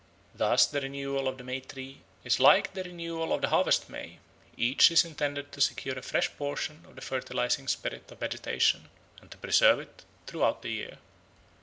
Thus the renewal of the May tree is like the renewal of the Harvest May; each is intended to secure a fresh portion of the fertilising spirit of vegetation, and to preserve it throughout the year.